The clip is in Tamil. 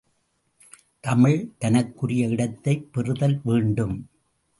தமிழ், தனக்குரிய இடத்தைப் பெறுதல் வேண்டும்!